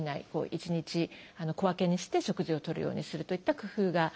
一日小分けにして食事をとるようにするといった工夫がいいかと思います。